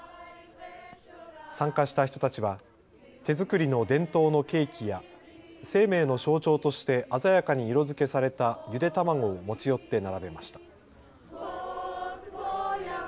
参加した人たちは手作りの伝統のケーキや生命の象徴として鮮やかに色づけされたゆで卵を持ち寄って並べました。